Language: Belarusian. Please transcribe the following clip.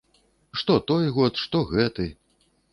Што той год, што гэты.